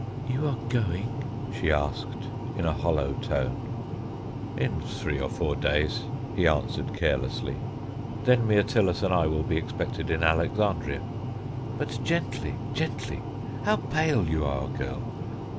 "You are going?" she asked in a hollow tone. "In three or four days," he answered carelessly; "then Myrtilus and I will be expected in Alexandria. But gently gently how pale you are, girl!